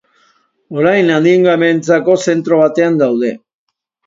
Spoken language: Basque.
Orain, adingabeentzako zentro batean daude.